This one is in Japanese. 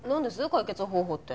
解決方法って。